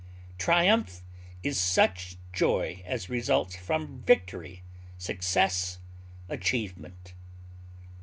Triumph is such joy as results from victory, success, achievement.